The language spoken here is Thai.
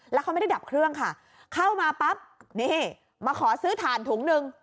แล้วเขาไม่ได้ดับเครื่องค่ะเข้ามาปั๊บนี่มาขอซื้อถ่านถุงหนึ่ง